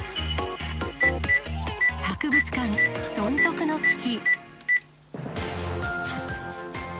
博物館存続の危機。